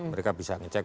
mereka bisa ngecek